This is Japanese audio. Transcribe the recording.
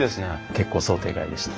結構想定外でした。